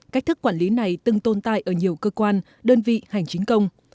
cách thức quản lý này từng tồn tại ở nhiều cơ quan đơn vị hành chính công